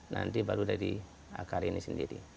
nanti baru dari akar ini sendiri